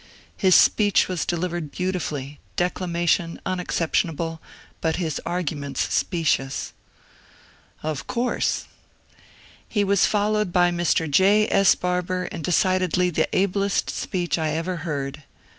His speech was delivered beautif uUy — declamation unexcep tionable— but his arguments specious." Of course I "He was followed by Mr. J. S. Barbour in decidedly the ablest speech I ever heard.